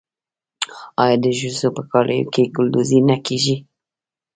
آیا د ښځو په کالیو کې ګلدوزي نه کیږي؟